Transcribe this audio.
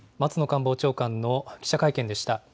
官房長官の記者会見でした。